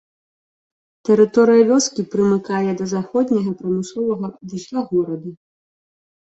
Тэрыторыя вёскі прымыкае да заходняга прамысловага вузла горада.